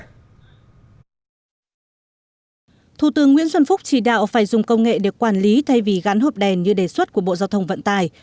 thủ tướng nguyễn xuân phúc chỉ đạo phải dùng công nghệ để quản lý thay vì gắn hộp đèn như đề xuất của bộ giao thông vận tải